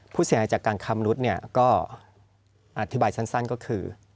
ผู้เสียหายจากการคำนุษย์ก็อธิบายสั้นก็คือ